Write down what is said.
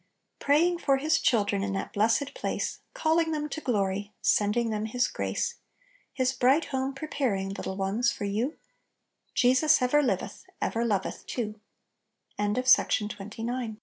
"Praying for His children, In that blessed place, Calling them to glory, Sending them His grace* "His bright home preparing Little ones, for yon; Jesus ever liveth, Ever